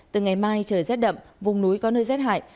từ ngày mai trời rét đậm vùng núi có nơi rét hại